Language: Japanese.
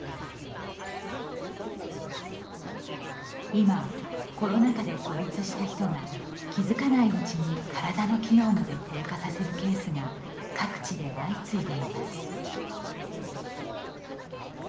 今、コロナ禍で孤立した人が気付かないうちに体の機能まで低下させるケースが各地で相次いでいます。